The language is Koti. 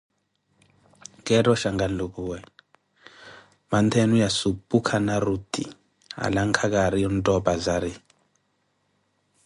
Keetta oshanka nlumpuwe, mantthaawo ya supu kana ruti, alankhaka aariye ontta opazari.